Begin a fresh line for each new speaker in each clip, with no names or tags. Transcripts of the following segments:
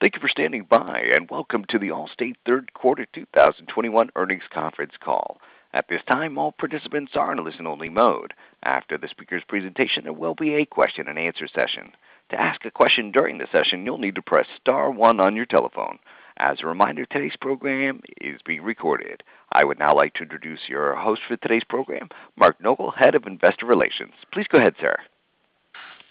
Thank you for standing by, and welcome to the Allstate third quarter 2021 earnings conference call. At this time, all participants are in a listen-only mode. After the speaker's presentation, there will be a question-and-answer session. To ask a question during the session, you'll need to press star one on your telephone. As a reminder, today's program is being recorded. I would now like to introduce your host for today's program, Mark Nogal, Head of Investor Relations. Please go ahead, sir.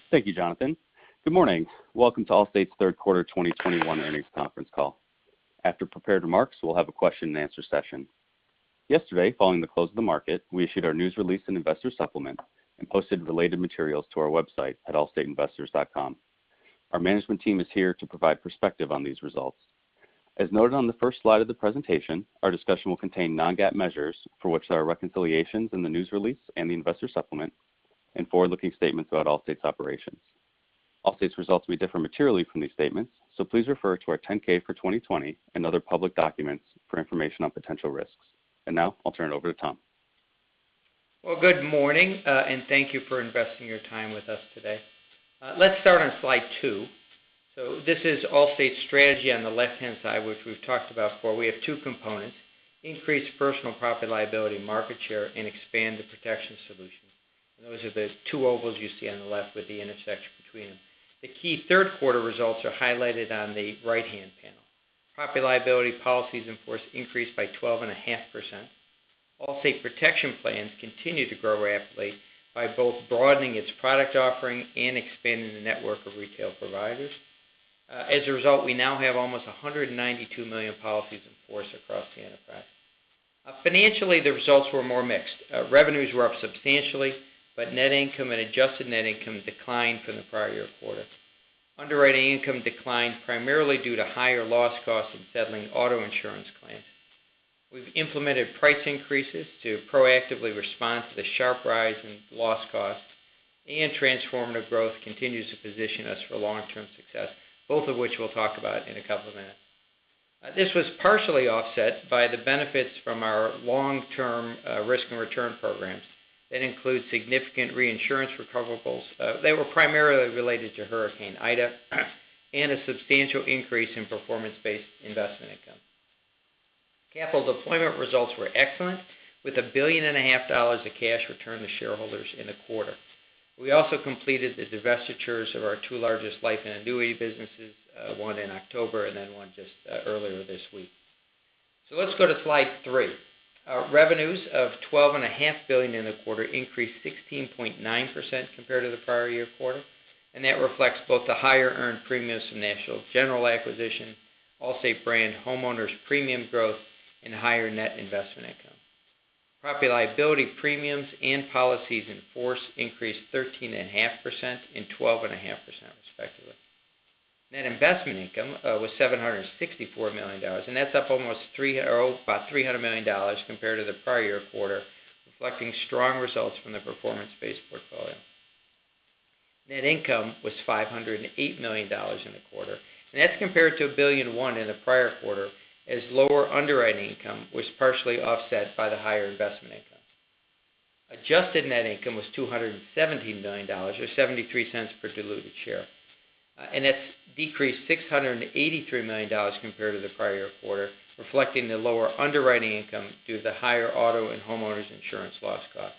Thank you, Jonathan. Good morning. Welcome to Allstate's Q3 2021 earnings conference call. After prepared remarks, we'll have a question-and-answer session. Yesterday, following the close of the market, we issued our news release and investor supplement and posted related materials to our website at allstateinvestors.com. Our management team is here to provide perspective on these results. As noted on the first slide of the presentation, our discussion will contain non-GAAP measures for which there are reconciliations in the news release and the investor supplement and forward-looking statements about Allstate's operations. Allstate's results may differ materially from these statements, so please refer to our 10-K for 2020 and other public documents for information on potential risks. Now I'll turn it over to Tom.
Well, good morning, and thank you for investing your time with us today. Let's start on slide two. This is Allstate's strategy on the left-hand side, which we've talked about before. We have two components, increase personal property-liability market share and expand the protection solution. Those are the two ovals you see on the left with the intersection between them. The key third quarter results are highlighted on the right-hand panel. Property-liability policies in force increased by 12.5%. Allstate Protection Plans continue to grow rapidly by both broadening its product offering and expanding the network of retail providers. As a result, we now have almost 192 million policies in force across the enterprise. Financially, the results were more mixed. Revenues were up substantially, but net income and adjusted net income declined from the prior year quarter. Underwriting income declined primarily due to higher loss costs in settling auto insurance claims. We've implemented price increases to proactively respond to the sharp rise in loss costs, and Transformative Growth continues to position us for long-term success, both of which we'll talk about in a couple of minutes. This was partially offset by the benefits from our long-term risk and return programs that include significant reinsurance recoverables. They were primarily related to Hurricane Ida and a substantial increase in performance-based investment income. Capital deployment results were excellent, with $1.5 billion of cash returned to shareholders in the quarter. We also completed the divestitures of our two largest life and annuity businesses, one in October and then one just earlier this week. Let's go to slide three. Revenues of $12.5 billion in the quarter increased 16.9% compared to the prior year quarter, and that reflects both the higher earned premiums from National General acquisition, Allstate brand homeowners premium growth, and higher net investment income. Property-Liability premiums and policies in force increased 13.5% and 12.5%, respectively. Net investment income was $764 million, and that's up about $300 million compared to the prior year quarter, reflecting strong results from the performance-based portfolio. Net income was $508 million in the quarter, and that's compared to $1.1 billion in the prior quarter, as lower underwriting income was partially offset by the higher investment income. Adjusted net income was $270 million, or $0.73 per diluted share, and that's decreased $683 million compared to the prior quarter, reflecting the lower underwriting income due to the higher auto and homeowners insurance loss costs.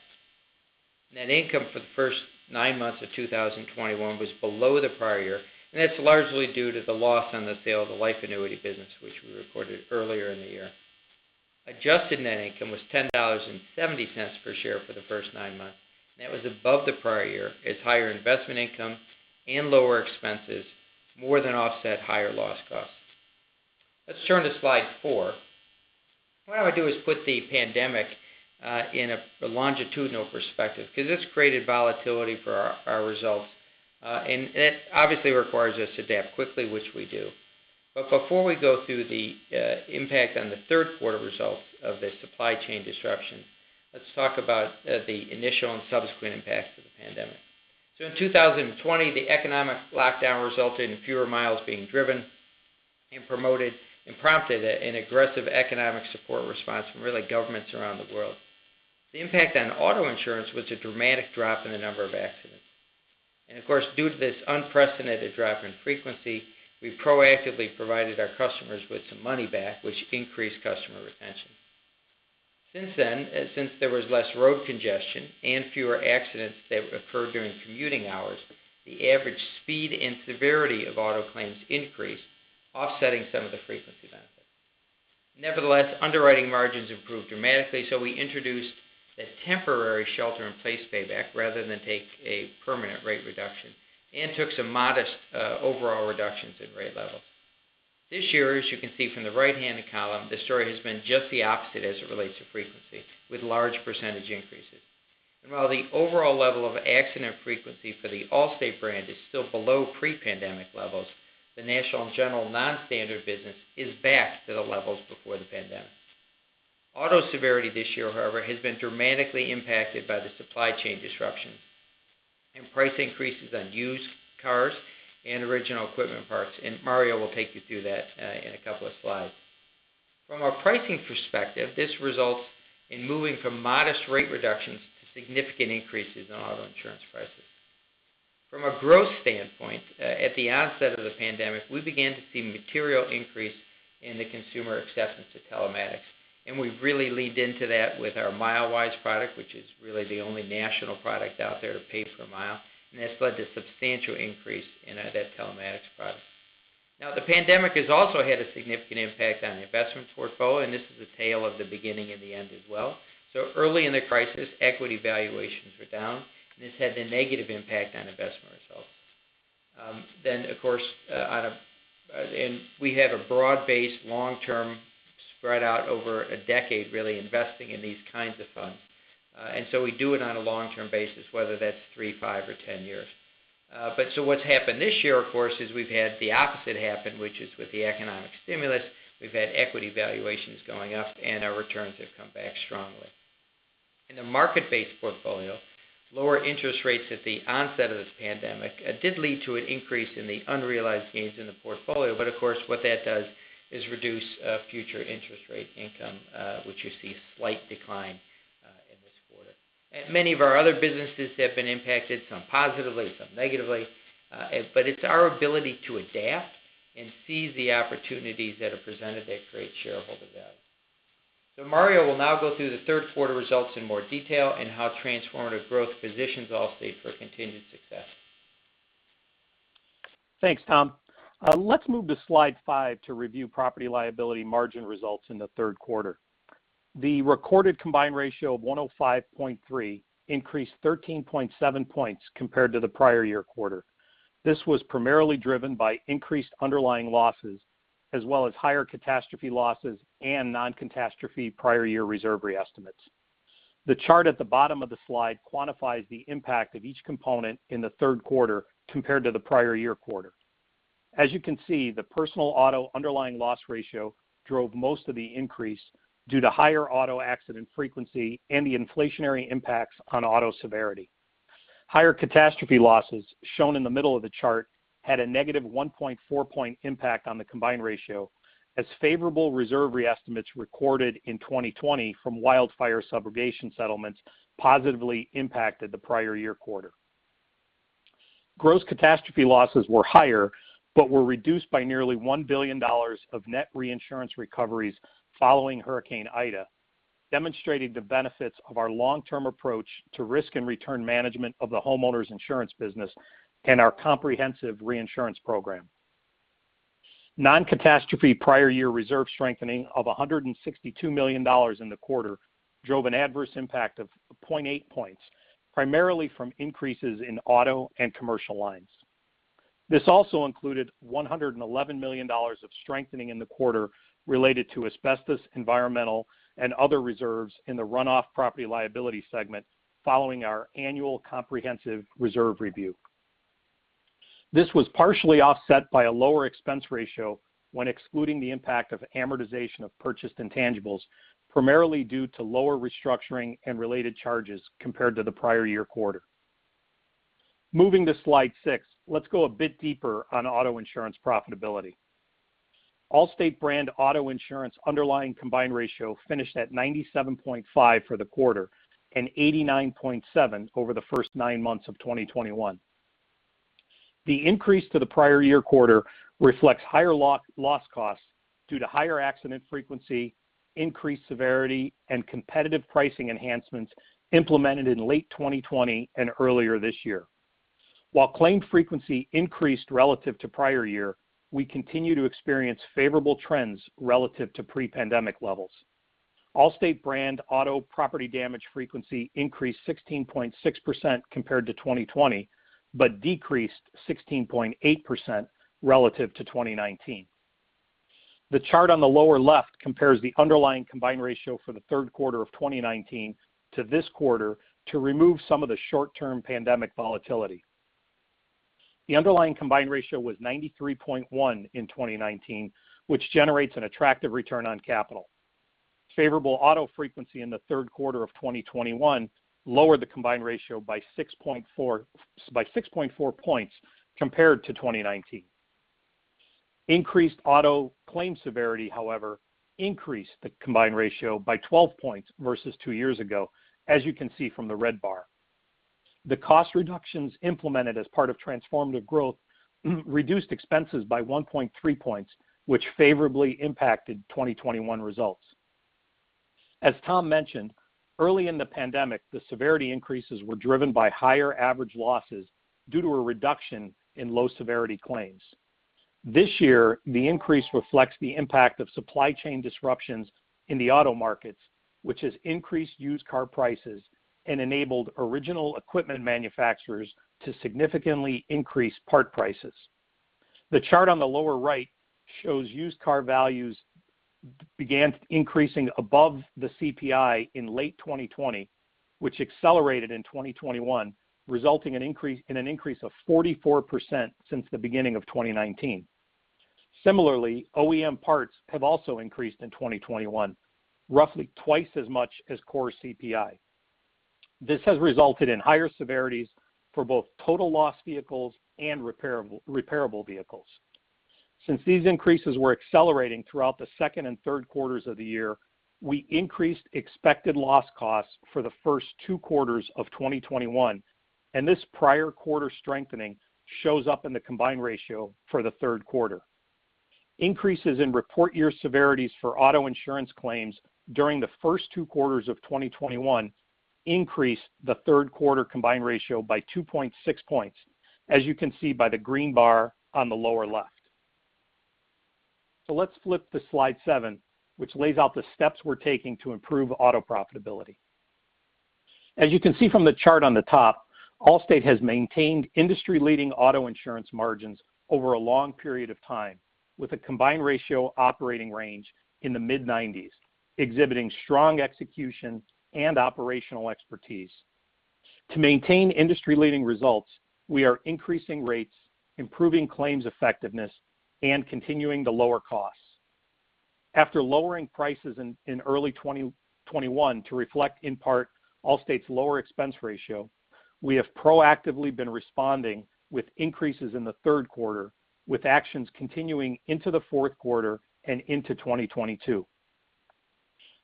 Net income for the first nine months of 2021 was below the prior year, and that's largely due to the loss on the sale of the life annuity business which we recorded earlier in the year. Adjusted net income was $10.70 per share for the first nine months, and that was above the prior year as higher investment income and lower expenses more than offset higher loss costs. Let's turn to slide four. What I'm going to do is put the pandemic in a longitudinal perspective because it's created volatility for our results, and it obviously requires us to adapt quickly, which we do. Before we go through the impact on the third quarter results of the supply chain disruptions, let's talk about the initial and subsequent impacts of the pandemic. In 2020, the economic lockdown resulted in fewer miles being driven and prompted an aggressive economic support response from governments around the world. The impact on auto insurance was a dramatic drop in the number of accidents. Of course, due to this unprecedented drop in frequency, we proactively provided our customers with some money back, which increased customer retention. Since then, since there was less road congestion and fewer accidents that occurred during commuting hours, the average speed and severity of auto claims increased, offsetting some of the frequency benefits. Nevertheless, underwriting margins improved dramatically, so we introduced a temporary Shelter-in-Place Payback rather than take a permanent rate reduction and took some modest, overall reductions in rate levels. This year, as you can see from the right-handed column, the story has been just the opposite as it relates to frequency with large percentage increases. While the overall level of accident frequency for the Allstate brand is still below pre-pandemic levels, the National General non-standard business is back to the levels before the pandemic. Auto severity this year, however, has been dramatically impacted by the supply chain disruptions and price increases on used cars and original equipment parts, and Mario will take you through that in a couple of slides. From a pricing perspective, this results in moving from modest rate reductions to significant increases in auto insurance prices. From a growth standpoint, at the onset of the pandemic, we began to see material increase in the consumer acceptance to telematics, and we've really leaned into that with our Milewise product, which is really the only national product out there to pay per mile, and that's led to substantial increase in our Drivewise telematics product. Now, the pandemic has also had a significant impact on investment portfolio, and this is a tale of the beginning and the end as well. Early in the crisis, equity valuations were down, and this had a negative impact on investment results. Then of course, we have a broad-based long-term spread out over a decade, really investing in these kinds of funds. We do it on a long-term basis, whether that's three, five, or 10 years. What's happened this year, of course, is we've had the opposite happen, which is with the economic stimulus, we've had equity valuations going up and our returns have come back strongly. In the market-based portfolio, lower interest rates at the onset of this pandemic did lead to an increase in the unrealized gains in the portfolio. Of course, what that does is reduce future interest rate income, which you see a slight decline in this quarter. Many of our other businesses have been impacted, some positively, some negatively. It's our ability to adapt and seize the opportunities that are presented that create shareholder value. Mario will now go through the third quarter results in more detail and how Transformative Growth positions Allstate for continued success.
Thanks, Tom. Let's move to slide five to review property-liability margin results in the third quarter. The recorded combined ratio of 105.3 increased 13.7 points compared to the prior year quarter. This was primarily driven by increased underlying losses as well as higher catastrophe losses and non-catastrophe prior year reserve reestimates. The chart at the bottom of the slide quantifies the impact of each component in the third quarter compared to the prior year quarter. As you can see, the personal auto underlying loss ratio drove most of the increase due to higher auto accident frequency and the inflationary impacts on auto severity. Higher catastrophe losses, shown in the middle of the chart, had a negative 1.4 impact on the combined ratio as favorable reserve re-estimates recorded in 2020 from wildfire subrogation settlements positively impacted the prior year quarter. Gross catastrophe losses were higher, but were reduced by nearly $1 billion of net reinsurance recoveries following Hurricane Ida, demonstrating the benefits of our long-term approach to risk and return management of the homeowners insurance business and our comprehensive reinsurance program. Non-catastrophe prior year reserve strengthening of $162 million in the quarter drove an adverse impact of 0.8 points, primarily from increases in auto and commercial lines. This also included $111 million of strengthening in the quarter related to asbestos, environmental, and other reserves in the runoff property-liability segment following our annual comprehensive reserve review. This was partially offset by a lower expense ratio when excluding the impact of amortization of purchased intangibles, primarily due to lower restructuring and related charges compared to the prior year quarter. Moving to slide six, let's go a bit deeper on auto insurance profitability. Allstate brand auto insurance underlying combined ratio finished at 97.5 for the quarter and 89.7 over the first nine months of 2021. The increase to the prior year quarter reflects higher loss costs due to higher accident frequency, increased severity, and competitive pricing enhancements implemented in late 2020 and earlier this year. While claim frequency increased relative to prior year, we continue to experience favorable trends relative to pre-pandemic levels. Allstate brand auto property damage frequency increased 16.6% compared to 2020, but decreased 16.8% relative to 2019. The chart on the lower left compares the underlying combined ratio for the third quarter of 2019 to this quarter to remove some of the short-term pandemic volatility. The underlying combined ratio was 93.1 in 2019, which generates an attractive return on capital. Favorable auto frequency in the third quarter of 2021 lowered the combined ratio by 6.4 points compared to 2019. Increased auto claim severity, however, increased the combined ratio by 12 points versus two years ago, as you can see from the red bar. The cost reductions implemented as part of Transformative Growth reduced expenses by 1.3 points, which favorably impacted 2021 results. As Tom mentioned, early in the pandemic, the severity increases were driven by higher average losses due to a reduction in low-severity claims. This year, the increase reflects the impact of supply chain disruptions in the auto markets, which has increased used car prices and enabled original equipment manufacturers to significantly increase part prices. The chart on the lower right shows used car values began increasing above the CPI in late 2020, which accelerated in 2021, resulting in an increase of 44% since the beginning of 2019. Similarly, OEM parts have also increased in 2021, roughly twice as much as core CPI. This has resulted in higher severities for both total loss vehicles and repairable vehicles. Since these increases were accelerating throughout the second and third quarters of the year, we increased expected loss costs for the first two quarters of 2021, and this prior quarter strengthening shows up in the combined ratio for the third quarter. Increases in report year severities for auto insurance claims during the first two quarters of 2021 increased the third quarter combined ratio by 2.6 points, as you can see by the green bar on the lower left. Let's flip to slide seven, which lays out the steps we're taking to improve auto profitability. As you can see from the chart on the top, Allstate has maintained industry-leading auto insurance margins over a long period of time with a combined ratio operating range in the mid-90s, exhibiting strong execution and operational expertise. To maintain industry-leading results, we are increasing rates, improving claims effectiveness, and continuing to lower costs. After lowering prices in early 2021 to reflect in part Allstate's lower expense ratio, we have proactively been responding with increases in the third quarter, with actions continuing into the fourth quarter and into 2022.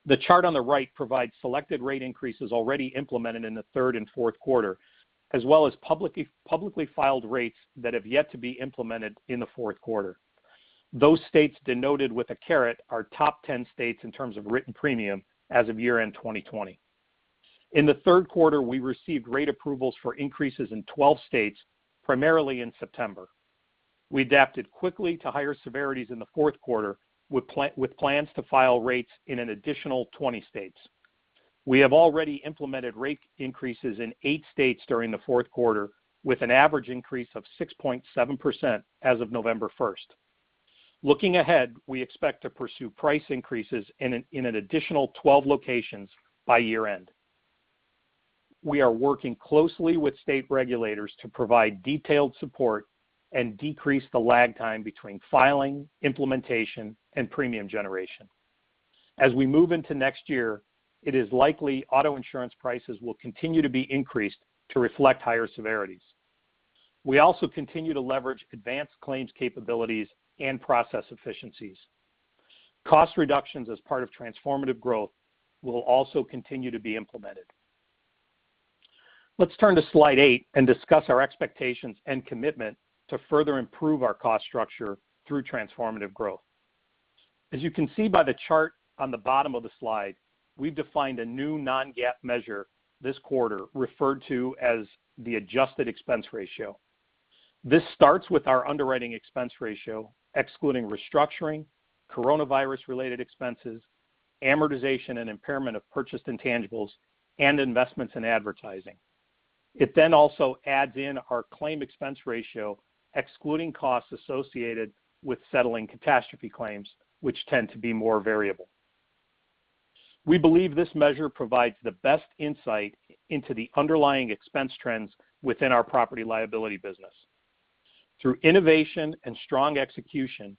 The chart on the right provides selected rate increases already implemented in the third and fourth quarter, as well as publicly filed rates that have yet to be implemented in the fourth quarter. Those states denoted with a caret are top 10 states in terms of written premium as of year-end 2020. In the third quarter, we received rate approvals for increases in 12 states, primarily in September. We adapted quickly to higher severities in the fourth quarter with plans to file rates in an additional 20 states. We have already implemented rate increases in 8 states during the fourth quarter, with an average increase of 6.7% as of November 1. Looking ahead, we expect to pursue price increases in an additional 12 locations by year-end. We are working closely with state regulators to provide detailed support and decrease the lag time between filing, implementation, and premium generation. As we move into next year, it is likely auto insurance prices will continue to be increased to reflect higher severities. We also continue to leverage advanced claims capabilities and process efficiencies. Cost reductions as part of Transformative Growth will also continue to be implemented. Let's turn to slide eight and discuss our expectations and commitment to further improve our cost structure through Transformative Growth. As you can see by the chart on the bottom of the slide, we've defined a new non-GAAP measure this quarter referred to as the adjusted expense ratio. This starts with our underwriting expense ratio, excluding restructuring, coronavirus-related expenses, amortization and impairment of purchased intangibles, and investments in advertising. It then also adds in our claim expense ratio, excluding costs associated with settling catastrophe claims, which tend to be more variable. We believe this measure provides the best insight into the underlying expense trends within our property-liability business. Through innovation and strong execution,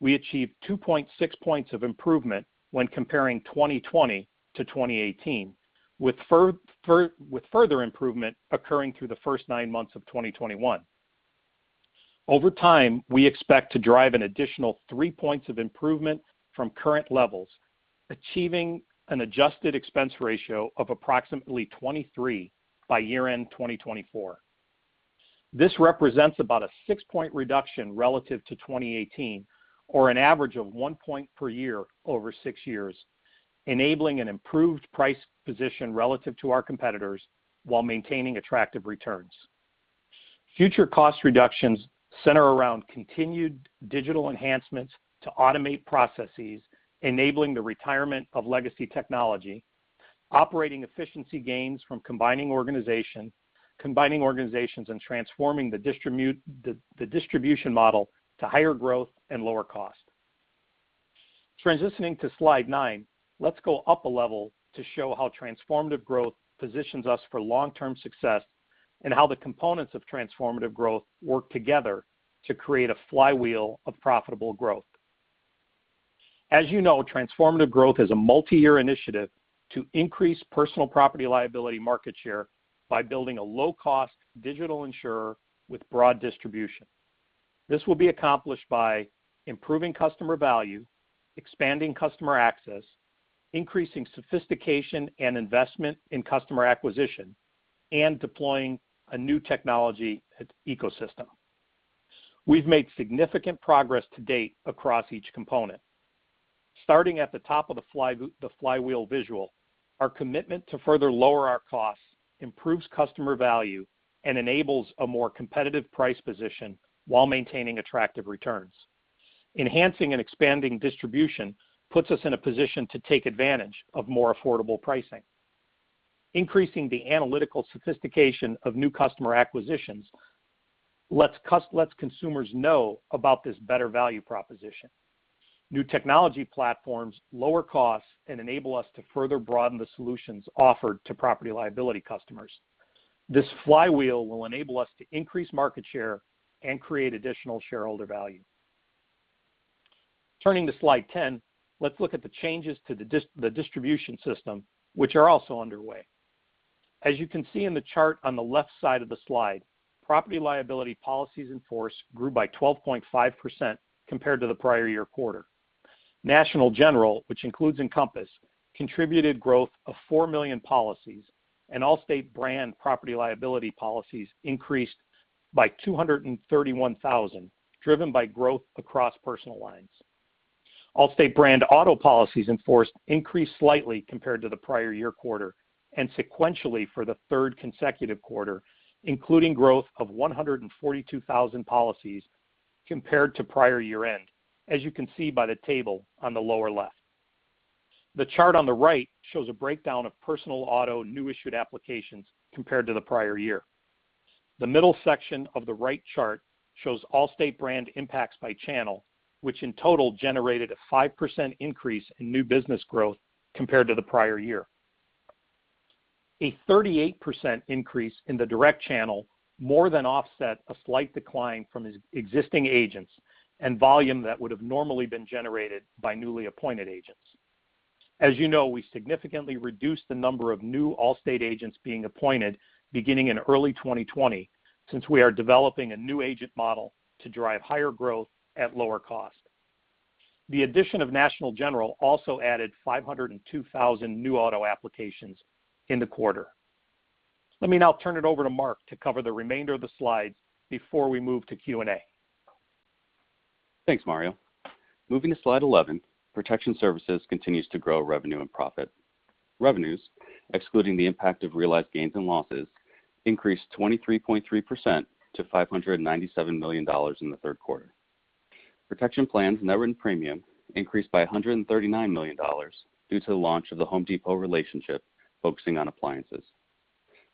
we achieved 2.6 points of improvement when comparing 2020-2018, with further improvement occurring through the first nine months of 2021. Over time, we expect to drive an additional three points of improvement from current levels, achieving an adjusted expense ratio of approximately 23% by year-end 2024. This represents about a six point reduction relative to 2018 or an average of one point per year over six years, enabling an improved price position relative to our competitors while maintaining attractive returns. Future cost reductions center around continued digital enhancements to automate processes, enabling the retirement of legacy technology, operating efficiency gains from combining organizations, and transforming the distribution model to higher growth and lower cost. Transitioning to slide nine, let's go up a level to show how Transformative Growth positions us for long-term success and how the components of Transformative Growth work together to create a flywheel of profitable growth. As you know, Transformative Growth is a multi-year initiative to increase personal property-liability market share by building a low-cost digital insurer with broad distribution. This will be accomplished by improving customer value, expanding customer access, increasing sophistication and investment in customer acquisition, and deploying a new technology ecosystem. We've made significant progress to date across each component. Starting at the top of the flywheel visual, our commitment to further lower our costs improves customer value and enables a more competitive price position while maintaining attractive returns. Enhancing and expanding distribution puts us in a position to take advantage of more affordable pricing. Increasing the analytical sophistication of new customer acquisitions lets consumers know about this better value proposition. New technology platforms lower costs and enable us to further broaden the solutions offered to property-liability customers. This flywheel will enable us to increase market share and create additional shareholder value. Turning to slide 10, let's look at the changes to the distribution system, which are also underway. As you can see in the chart on the left side of the slide, property-liability policies in force grew by 12.5% compared to the prior year quarter. National General, which includes Encompass, contributed growth of 4 million policies and Allstate brand property-liability policies increased by 231,000, driven by growth across personal lines. Allstate brand auto policies in force increased slightly compared to the prior year quarter, and sequentially for the third consecutive quarter, including growth of 142,000 policies compared to prior year-end, as you can see by the table on the lower left. The chart on the right shows a breakdown of personal auto new issued applications compared to the prior year. The middle section of the right chart shows Allstate brand impacts by channel, which in total generated a 5% increase in new business growth compared to the prior year. A 38% increase in the direct channel more than offset a slight decline from ex-existing agents and volume that would have normally been generated by newly appointed agents. As you know, we significantly reduced the number of new Allstate agents being appointed beginning in early 2020, since we are developing a new agent model to drive higher growth at lower cost. The addition of National General also added 502,000 new auto applications in the quarter. Let me now turn it over to Mark to cover the remainder of the slides before we move to Q&A.
Thanks, Mario. Moving to slide 11, protection services continues to grow revenue and profit. Revenues, excluding the impact of realized gains and losses, increased 23.3% to $597 million in the third quarter. Protection plans net written premium increased by $139 million due to the launch of the Home Depot relationship, focusing on appliances.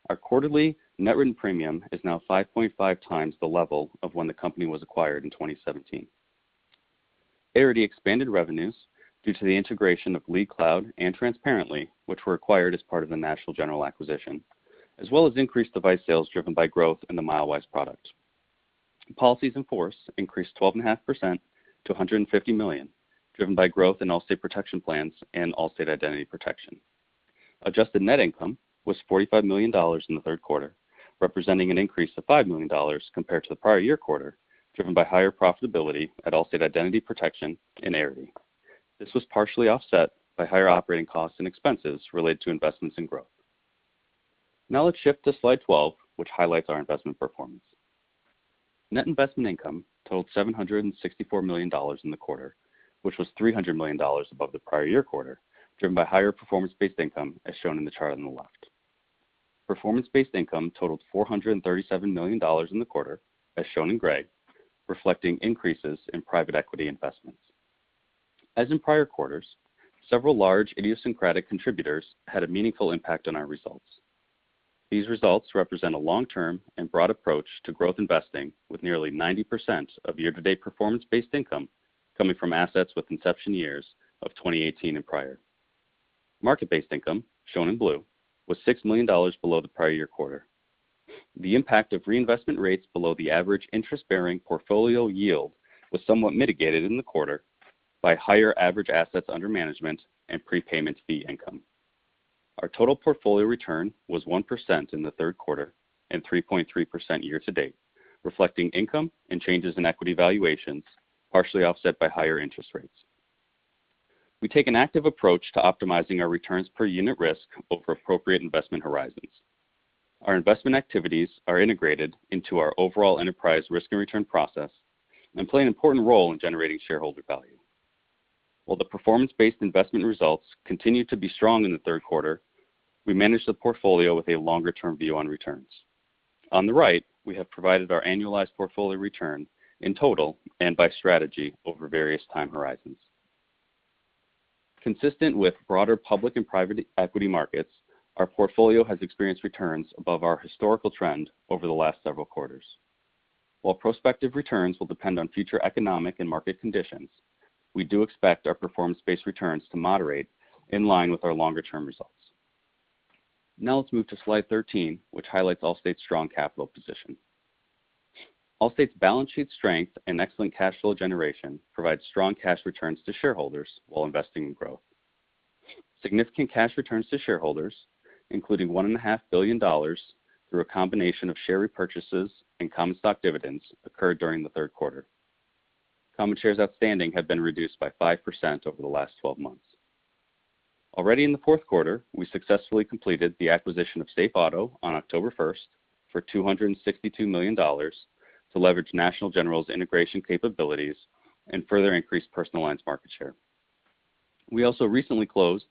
Our quarterly net written premium is now 5.5 times the level of when the company was acquired in 2017. Arity expanded revenues due to the integration of LeadCloud and Transparent.ly, which were acquired as part of the National General acquisition, as well as increased device sales driven by growth in the Milewise product. Policies in force increased 12.5% to 150 million, driven by growth in Allstate Protection Plans and Allstate Identity Protection. Adjusted net income was $45 million in the third quarter, representing an increase of $5 million compared to the prior year quarter, driven by higher profitability at Allstate Identity Protection in Arity. This was partially offset by higher operating costs and expenses related to investments in growth. Now let's shift to slide 12, which highlights our investment performance. Net investment income totaled $764 million in the quarter, which was $300 million above the prior year quarter, driven by higher performance-based income, as shown in the chart on the left. Performance-based income totaled $437 million in the quarter, as shown in gray, reflecting increases in private equity investments. As in prior quarters, several large idiosyncratic contributors had a meaningful impact on our results. These results represent a long-term and broad approach to growth investing with nearly 90% of year-to-date performance-based income coming from assets with inception years of 2018 and prior. Market-based income, shown in blue, was $6 million below the prior year quarter. The impact of reinvestment rates below the average interest-bearing portfolio yield was somewhat mitigated in the quarter by higher average assets under management and prepayment fee income. Our total portfolio return was 1% in the third quarter and 3.3% year to date, reflecting income and changes in equity valuations, partially offset by higher interest rates. We take an active approach to optimizing our returns per unit risk over appropriate investment horizons. Our investment activities are integrated into our overall enterprise risk and return process and play an important role in generating shareholder value. While the performance-based investment results continued to be strong in the third quarter, we managed the portfolio with a longer-term view on returns. On the right, we have provided our annualized portfolio return in total and by strategy over various time horizons. Consistent with broader public and private equity markets, our portfolio has experienced returns above our historical trend over the last several quarters. While prospective returns will depend on future economic and market conditions, we do expect our performance-based returns to moderate in line with our longer-term results. Now let's move to slide 13, which highlights Allstate's strong capital position. Allstate's balance sheet strength and excellent cash flow generation provide strong cash returns to shareholders while investing in growth. Significant cash returns to shareholders, including $1.5 billion through a combination of share repurchases and common stock dividends, occurred during the third quarter. Common shares outstanding have been reduced by 5% over the last 12 months. In the fourth quarter, we successfully completed the acquisition of SafeAuto on October 1 for $262 million to leverage National General's integration capabilities and further increase personal lines market share. We also recently closed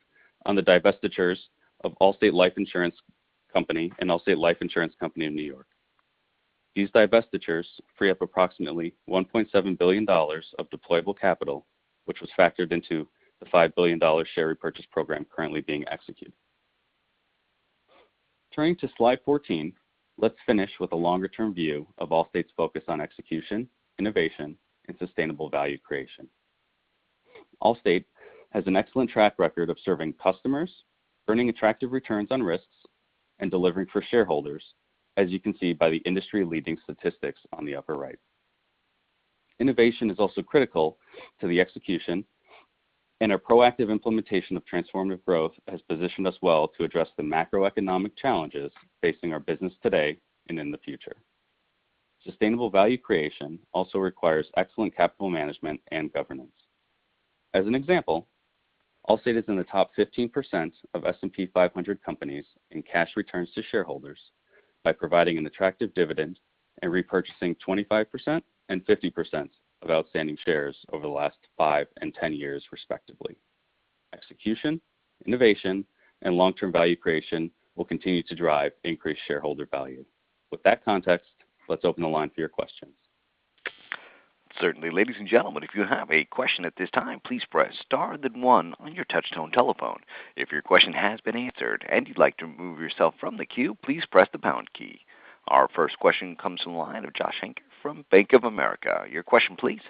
on the divestitures of Allstate Life Insurance Company and Allstate Life Insurance Company of New York. These divestitures free up approximately $1.7 billion of deployable capital, which was factored into the $5 billion share repurchase program currently being executed. Turning to slide 14, let's finish with a longer-term view of Allstate's focus on execution, innovation, and sustainable value creation. Allstate has an excellent track record of serving customers, earning attractive returns on risks.
Delivering for shareholders, as you can see by the industry-leading statistics on the upper right. Innovation is also critical to the execution, and our proactive implementation of Transformative Growth has positioned us well to address the macroeconomic challenges facing our business today and in the future. Sustainable value creation also requires excellent capital management and governance. As an example, Allstate is in the top 15% of S&P 500 companies in cash returns to shareholders by providing an attractive dividend and repurchasing 25% and 50% of outstanding shares over the last five and 10 years respectively. Execution, innovation, and long-term value creation will continue to drive increased shareholder value. With that context, let's open the line for your questions.
Certainly. Ladies and gentlemen, if you have a question at this time, please press star then one on your touchtone telephone. If your question has been answered and you'd like to remove yourself from the queue, please press the pound key. Our first question comes from the line of Joshua Shanker from Bank of America. Your question, please.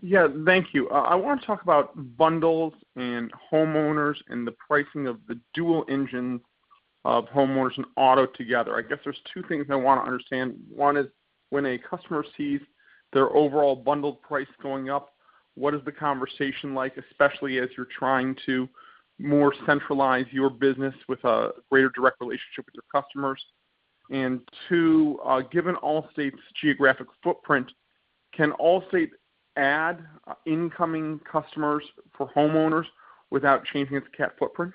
Yeah. Thank you. I want to talk about bundles and homeowners and the pricing of the dual engine of homeowners and auto together. I guess there's two things I wanna understand. One is, when a customer sees their overall bundled price going up, what is the conversation like, especially as you're trying to more centralize your business with a greater direct relationship with your customers? Two, given Allstate's geographic footprint, can Allstate add incoming customers for homeowners without changing its cat footprint?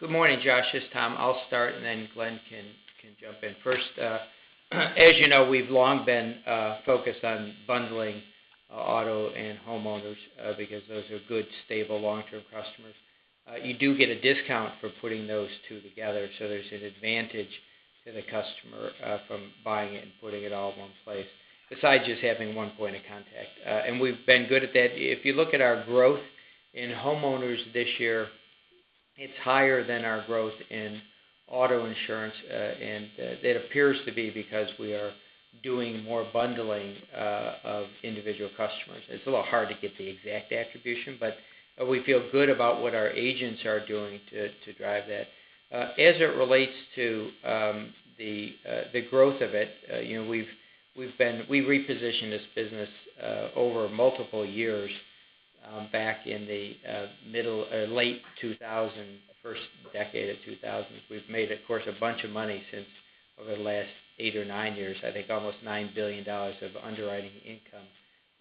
Good morning, Josh. It's Tom. I'll start, and then Glenn can jump in. First, as you know, we've long been focused on bundling auto and homeowners, because those are good, stable long-term customers. You do get a discount for putting those two together, so there's an advantage to the customer from buying it and putting it all in one place, besides just having one point of contact. We've been good at that. If you look at our growth in homeowners this year, it's higher than our growth in auto insurance. That appears to be because we are doing more bundling of individual customers. It's a little hard to get the exact attribution, but we feel good about what our agents are doing to drive that. As it relates to the growth of it, you know, we've repositioned this business over multiple years, back in the middle, late 2000s, first decade of the 2000s. We've made, of course, a bunch of money since over the last eight or nine years, I think almost $9 billion of underwriting income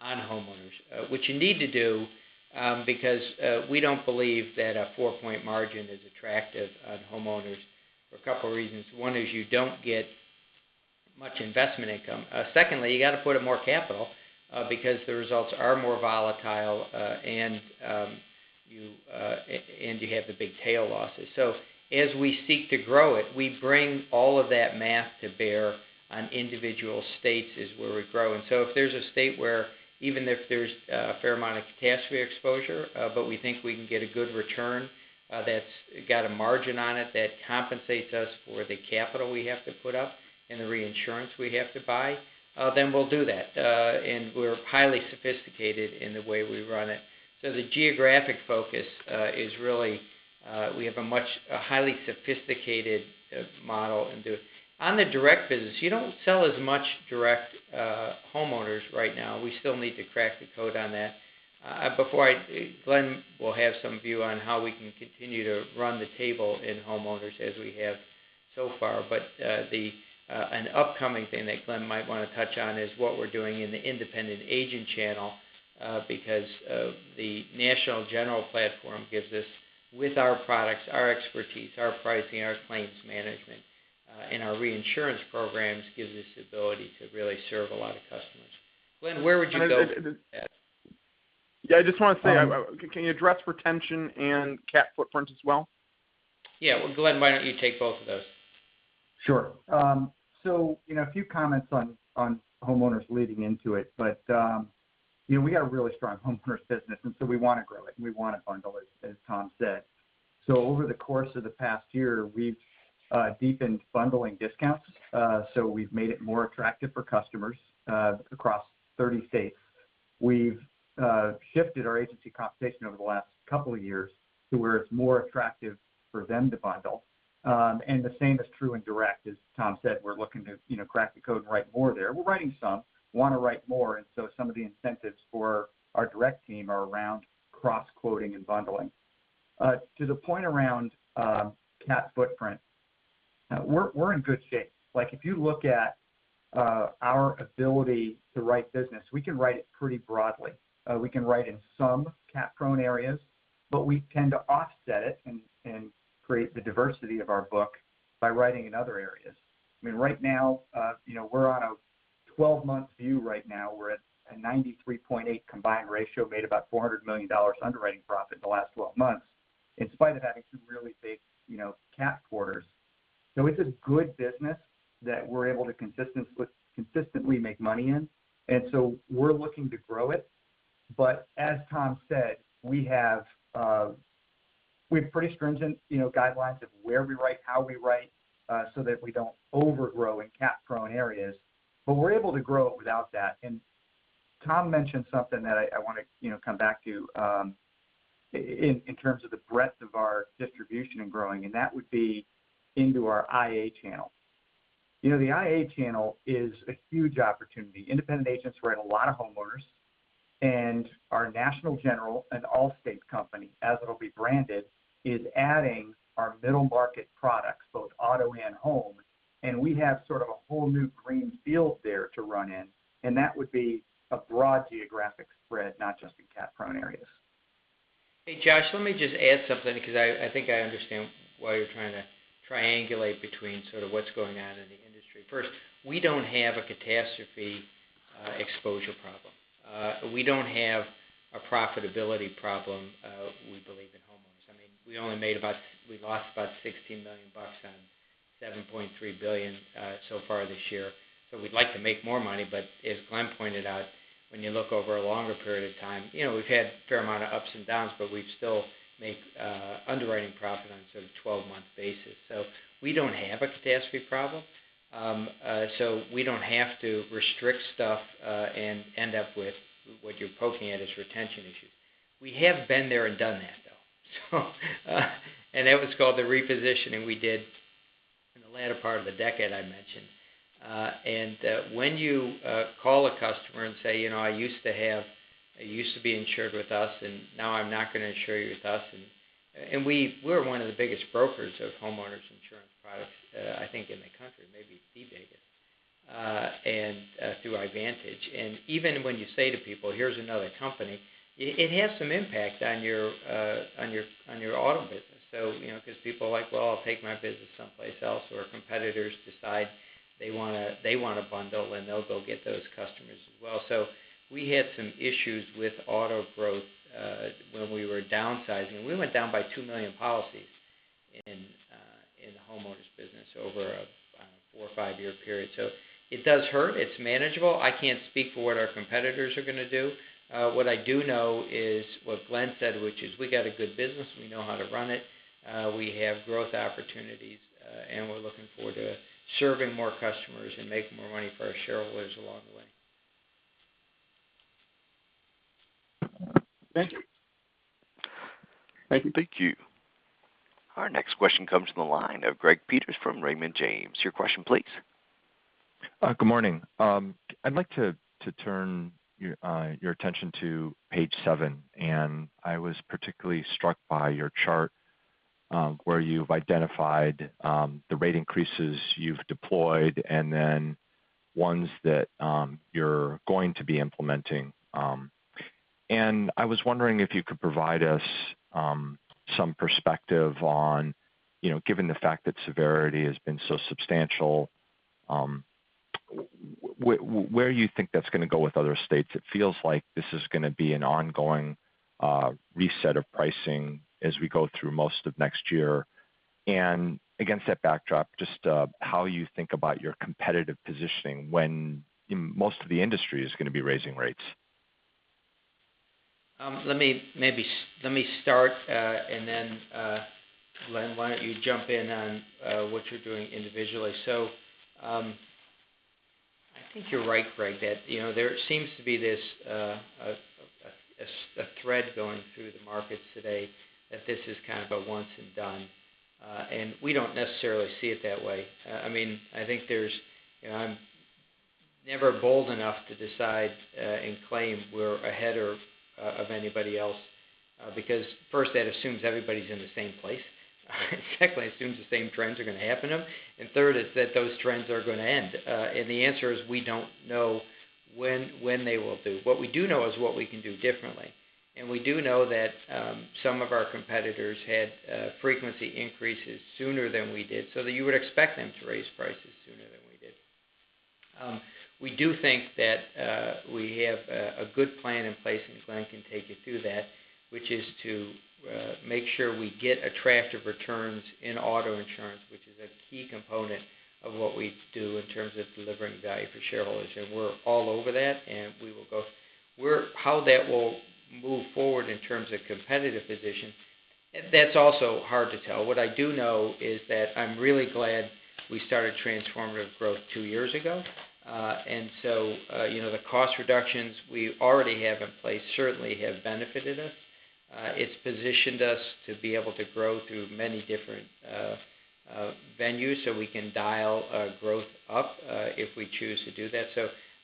on homeowners, which you need to do, because we don't believe that a four point margin is attractive on homeowners for a couple reasons. One is you don't get much investment income. Secondly, you got to put in more capital, because the results are more volatile, and you have the big tail losses. As we seek to grow it, we bring all of that math to bear on individual states, is where we're growing. If there's a state where even if there's a fair amount of catastrophe exposure, but we think we can get a good return, that's got a margin on it that compensates us for the capital we have to put up and the reinsurance we have to buy, then we'll do that. We're highly sophisticated in the way we run it. The geographic focus is really, we have a highly sophisticated model. On the direct business, you don't sell as much direct homeowners right now. We still need to crack the code on that. Glenn will have some view on how we can continue to run the table in homeowners as we have so far. An upcoming thing that Glenn might wanna touch on is what we're doing in the independent agent channel, because of the National General platform gives us with our products, our expertise, our pricing, our claims management, and our reinsurance programs gives us the ability to really serve a lot of customers. Glenn, where would you go with that?
Yeah, I just want to say, can you address retention and cat footprints as well?
Yeah. Well, Glenn, why don't you take both of those?
Sure. In a few comments on homeowners leading into it, but you know, we got a really strong homeowners business, and so we wanna grow it and we wanna bundle it, as Tom said. Over the course of the past year, we've deepened bundling discounts. We've made it more attractive for customers across 30 states. We've shifted our agency compensation over the last couple of years to where it's more attractive for them to bundle. The same is true in direct. As Tom said, we're looking to you know, crack the code and write more there. We're writing some, wanna write more, and so some of the incentives for our direct team are around cross-quoting and bundling. To the point around CAT footprint, we're in good shape. Like, if you look at our ability to write business, we can write it pretty broadly. We can write in some cat-prone areas, but we tend to offset it and create the diversity of our book by writing in other areas. I mean, right now, you know, we're on a twelve-month view. Right now, we're at a 93.8 combined ratio, made about $400 million underwriting profit in the last 12 months, in spite of having some really big, you know, cat quarters. It's a good business that we're able to consistently make money in, and we're looking to grow it. As Tom said, we have pretty stringent, you know, guidelines of where we write, how we write, so that we don't overgrow in cat-prone areas. We're able to grow it without that, and Tom mentioned something that I wanna, you know, come back to, in terms of the breadth of our distribution and growing, and that would be into our IA channel. You know, the IA channel is a huge opportunity. Independent agents write a lot of homeowners, and our National General and Allstate company, as it'll be branded, is adding our middle market products, both auto and home, and we have sort of a whole new green field there to run in, and that would be a broad geographic spread, not just in cat-prone areas.
Hey, Josh, let me just add something because I think I understand why you're trying to triangulate between sort of what's going on in the industry. First, we don't have a catastrophe exposure problem. We don't have a profitability problem. We believe in homeowners. I mean, we only lost about $16 million on $7.3 billion so far this year. So we'd like to make more money, but as Glenn pointed out, when you look over a longer period of time, you know, we've had a fair amount of ups and downs, but we still make underwriting profit on sort of 12-month basis. So we don't have a catastrophe problem, so we don't have to restrict stuff and end up with what you're poking at as retention issues. We have been there and done that, though. That was called the reposition, and we did in the latter part of the decade, I mentioned. When you call a customer and say, "You know, you used to be insured with us, and now I'm not gonna insure you with us," and we are one of the biggest brokers of homeowners insurance products, I think in the country, maybe the biggest, through iVantage. Even when you say to people, "Here's another company," it has some impact on your auto business. You know, 'cause people are like, "Well, I'll take my business someplace else," or competitors decide they wanna bundle, and they'll go get those customers as well. We had some issues with auto growth when we were downsizing. We went down by 2 million policies in the homeowners business over a four or five-year period. It does hurt. It's manageable. I can't speak for what our competitors are gonna do. What I do know is what Glenn said, which is we got a good business. We know how to run it. We have growth opportunities, and we're looking forward to serving more customers and making more money for our shareholders along the way.
Thank you.
Thank you.
Thank you.
Our next question comes from the line of Greg Peters from Raymond James. Your question, please.
Good morning. I'd like to turn your attention to page seven, and I was particularly struck by your chart where you've identified the rate increases you've deployed and then ones that you're going to be implementing. I was wondering if you could provide us some perspective on, you know, given the fact that severity has been so substantial, where you think that's gonna go with other states. It feels like this is gonna be an ongoing reset of pricing as we go through most of next year. Against that backdrop, just how you think about your competitive positioning when most of the industry is gonna be raising rates.
Let me start, Glenn, why don't you jump in on what you're doing individually. I think you're right, Greg, that, you know, there seems to be this a thread going through the markets today that this is kind of a once and done, and we don't necessarily see it that way. I mean, I think there's, you know, I'm never bold enough to decide and claim we're ahead of anybody else, because first, that assumes everybody's in the same place. Secondly, assumes the same trends are gonna happen to them. Third is that those trends are gonna end. The answer is we don't know when they will end. What we do know is what we can do differently. We do know that some of our competitors had frequency increases sooner than we did, so that you would expect them to raise prices sooner than we did. We do think that we have a good plan in place, and Glenn can take you through that, which is to make sure we get attractive returns in auto insurance, which is a key component of what we do in terms of delivering value for shareholders. We're all over that, and we will go. How that will move forward in terms of competitive position, that's also hard to tell. What I do know is that I'm really glad we started Transformative Growth two years ago. You know, the cost reductions we already have in place certainly have benefited us. It's positioned us to be able to grow through many different venues so we can dial growth up if we choose to do that.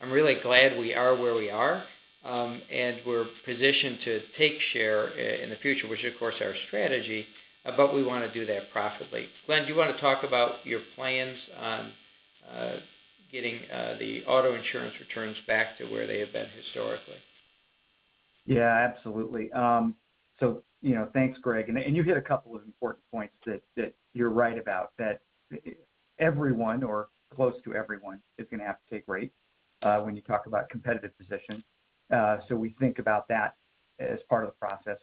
I'm really glad we are where we are, and we're positioned to take share in the future, which of course our strategy, but we wanna do that profitably. Glenn, do you wanna talk about your plans on getting the auto insurance returns back to where they have been historically?
Yeah, absolutely. You know, thanks, Greg. You hit a couple of important points that you're right about, that everyone or close to everyone is gonna have to take rates when you talk about competitive position. We think about that as part of the process.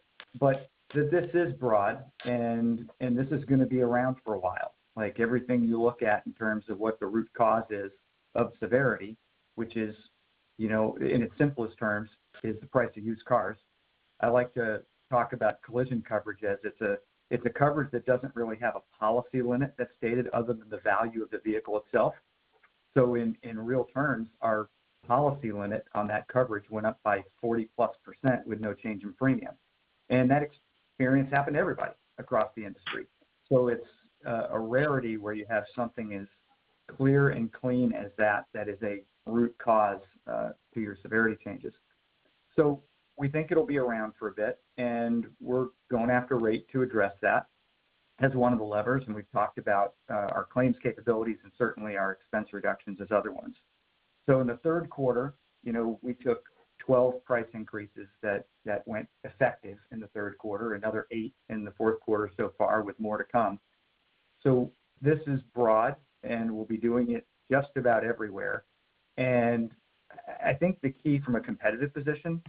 This is broad, and this is gonna be around for a while. Like, everything you look at in terms of what the root cause is of severity, which is, you know, in its simplest terms, is the price of used cars. I like to talk about collision coverage as it's a coverage that doesn't really have a policy limit that's stated other than the value of the vehicle itself. In real terms, our policy limit on that coverage went up by 40+% with no change in premium. That experience happened to everybody across the industry. It's a rarity where you have something as clear and clean as that is a root cause to your severity changes. We think it'll be around for a bit, and we're going after rate to address that as one of the levers, and we've talked about our claims capabilities and certainly our expense reductions as other ones. In the third quarter, you know, we took 12 price increases that went effective in the third quarter, another eight in the fourth quarter so far, with more to come. This is broad, and we'll be doing it just about everywhere. I think the key from a competitive position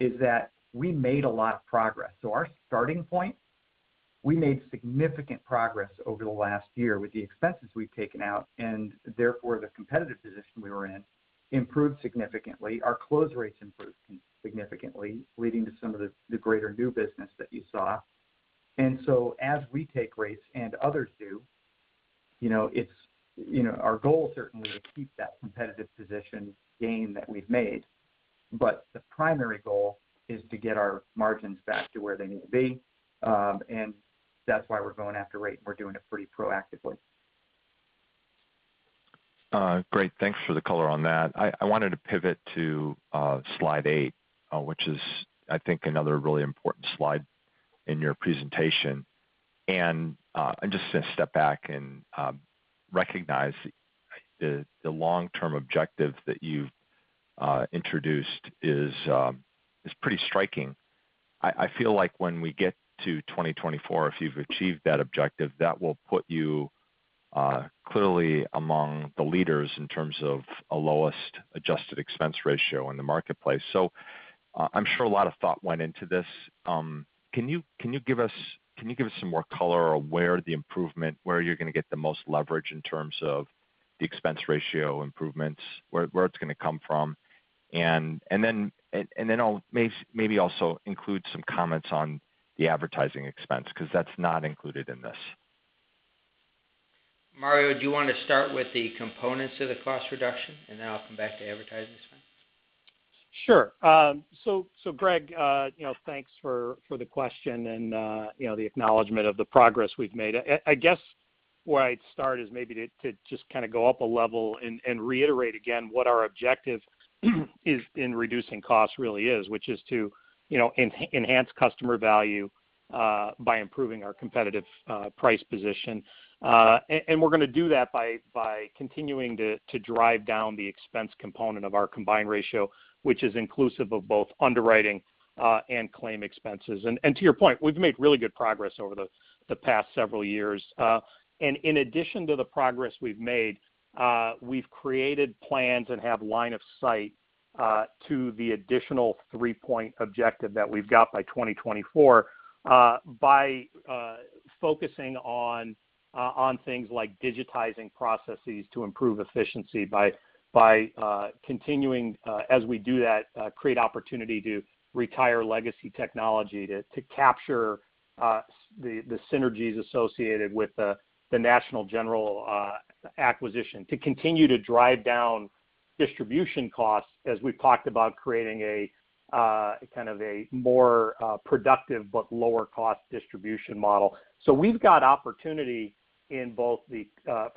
is that we made a lot of progress. Our starting point, we made significant progress over the last year with the expenses we've taken out, and therefore, the competitive position we were in improved significantly. Our close rates improved significantly, leading to some of the greater new business that you saw. As we take rates and others do, you know, it's, you know, our goal certainly to keep that competitive position gain that we've made, but the primary goal is to get our margins back to where they need to be. That's why we're going after rate, and we're doing it pretty proactively.
Great. Thanks for the color on that. I wanted to pivot to slide eight, which is, I think, another really important slide in your presentation. I'm just gonna step back and recognize the long-term objective that you've introduced is pretty striking. I feel like when we get to 2024, if you've achieved that objective, that will put you clearly among the leaders in terms of a lowest adjusted expense ratio in the marketplace. So I'm sure a lot of thought went into this. Can you give us some more color on where the improvement, where you're gonna get the most leverage in terms of the expense ratio improvements, where it's gonna come from? I'll maybe also include some comments on the advertising expense 'cause that's not included in this.
Mario, do you wanna start with the components of the cost reduction, and then I'll come back to advertising spend?
Sure. So Greg, you know, thanks for the question and, you know, the acknowledgement of the progress we've made. I guess where I'd start is maybe to just kind of go up a level and reiterate again what our objective is in reducing costs really is, which is to, you know, enhance customer value by improving our competitive price position. We're gonna do that by continuing to drive down the expense component of our combined ratio, which is inclusive of both underwriting and claim expenses. To your point, we've made really good progress over the past several years. In addition to the progress we've made, we've created plans and have line of sight to the additional three point objective that we've got by 2024 by focusing on things like digitizing processes to improve efficiency by continuing, as we do that, create opportunity to retire legacy technology to capture the synergies associated with the National General acquisition, to continue to drive down distribution costs as we've talked about creating a kind of a more productive but lower cost distribution model. We've got opportunity in both the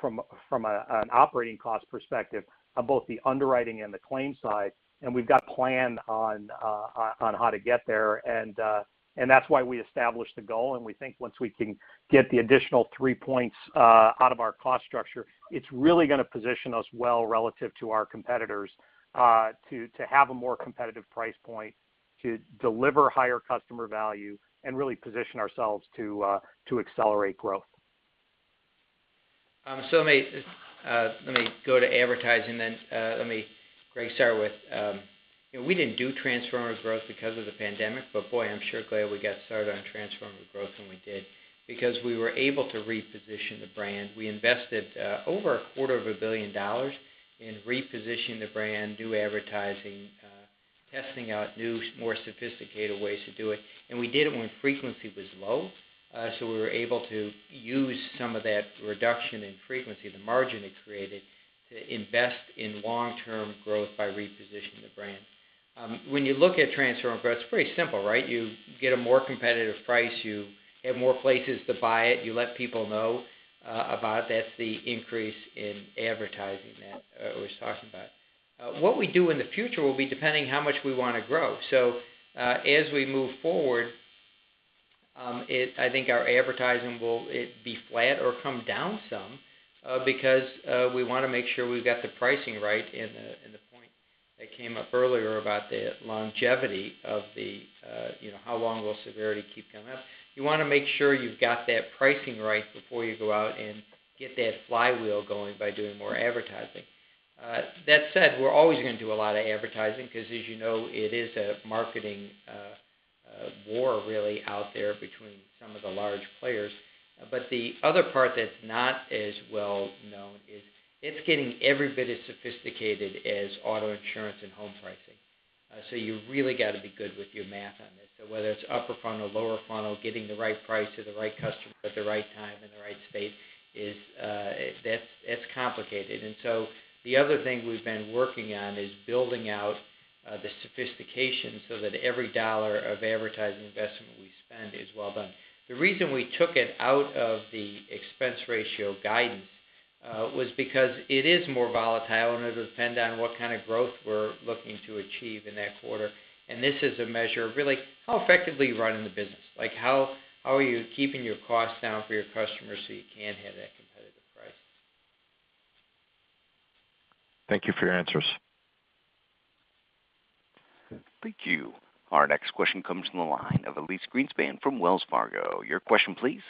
from an operating cost perspective on both the underwriting and the claim side, and we've got plan on how to get there. That's why we established the goal, and we think once we can get the additional three points out of our cost structure, it's really gonna position us well relative to our competitors to have a more competitive price point, to deliver higher customer value and really position ourselves to accelerate growth.
Let me go to advertising then. Let me, Greg, start with, you know, we didn't do Transformative Growth because of the pandemic, but boy, I'm sure glad we got started on Transformative Growth when we did because we were able to reposition the brand. We invested over a quarter of a billion dollars in repositioning the brand, new advertising, testing out new, more sophisticated ways to do it. We did it when frequency was low, so we were able to use some of that reduction in frequency, the margin it created, to invest in long-term growth by repositioning the brand. When you look at Transformative Growth, it's pretty simple, right? You get a more competitive price, you have more places to buy it, you let people know about it. That's the increase in advertising that I was talking about. What we do in the future will be depending how much we wanna grow. As we move forward, I think our advertising will be flat or come down some, because we wanna make sure we've got the pricing right in the point that came up earlier about the longevity of the you know, how long will severity keep coming up. You wanna make sure you've got that pricing right before you go out and get that flywheel going by doing more advertising. That said, we're always gonna do a lot of advertising 'cause as you know, it is a marketing war really out there between some of the large players.
The other part that's not as well known is it's getting every bit as sophisticated as auto insurance and home pricing. You really got to be good with your math on this. Whether it's upper funnel, lower funnel, getting the right price to the right customer at the right time in the right space is, that's complicated. The other thing we've been working on is building out the sophistication so that every dollar of advertising investment we spend is well done. The reason we took it out of the expense ratio guidance was because it is more volatile, and it'll depend on what kind of growth we're looking to achieve in that quarter. This is a measure of really how effectively you're running the business. Like, how are you keeping your costs down for your customers so you can have that competitive price?
Thank you for your answers.
Thank you. Our next question comes from the line of Elyse Greenspan from Wells Fargo. Your question, please.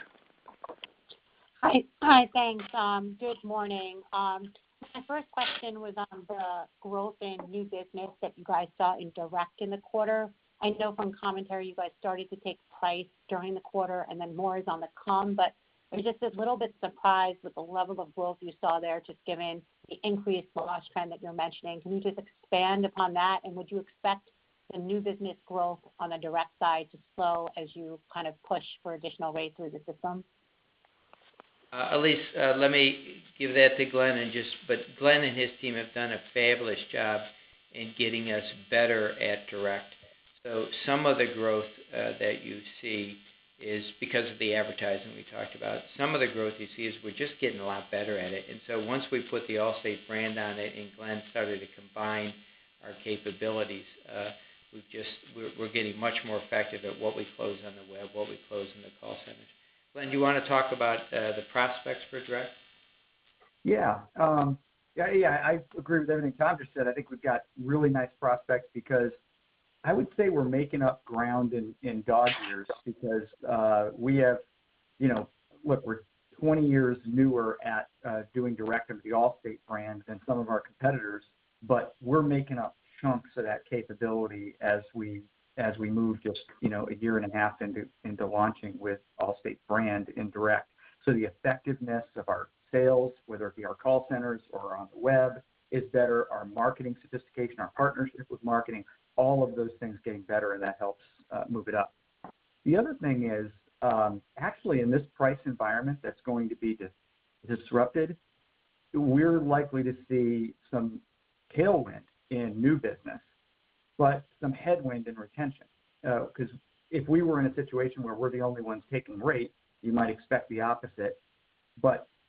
Hi. Thanks. Good morning. My first question was on the growth in new business that you guys saw in direct in the quarter. I know from commentary you guys started to take price during the quarter, and then more is on the come, but I'm just a little bit surprised with the level of growth you saw there, just given the increased loss trend that you're mentioning. Can you just expand upon that? And would you expect the new business growth on the direct side to slow as you kind of push for additional rates through the system?
Elyse, let me give that to Glenn, but Glenn and his team have done a fabulous job in getting us better at direct. Some of the growth that you see is because of the advertising we talked about. Some of the growth you see is we're just getting a lot better at it. Once we put the Allstate brand on it and Glenn started to combine our capabilities, we've just, we're getting much more effective at what we close on the web, what we close in the call centers. Glenn, do you wanna talk about the prospects for direct?
Yeah. I agree with everything Tom just said. I think we've got really nice prospects because I would say we're making up ground in dog years because we have, you know, look, we're 20 years newer at doing direct of the Allstate brand than some of our competitors, but we're making up chunks of that capability as we move just, you know, a year and a half into launching with Allstate brand in direct. The effectiveness of our sales, whether it be our call centers or on the web, is better. Our marketing sophistication, our partnership with marketing, all of those things getting better, and that helps move it up. The other thing is, actually, in this price environment that's going to be disrupted, we're likely to see some tailwind in new business, but some headwind in retention. 'Cause if we were in a situation where we're the only ones taking rate, you might expect the opposite.